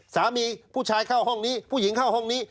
ผู้ชายเข้าห้องนี้ผู้หญิงเข้าห้องนี้